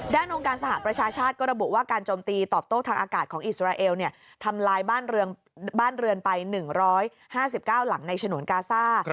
องค์การสหประชาชาติก็ระบุว่าการโจมตีตอบโต้ทางอากาศของอิสราเอลทำลายบ้านเรือนไป๑๕๙หลังในฉนวนกาซ่า